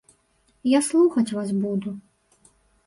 Я слухаць вас буду.